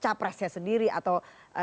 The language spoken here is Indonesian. capresnya sendiri atau